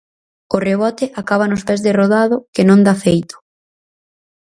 O rebote acaba nos pés de Rodado que non da feito.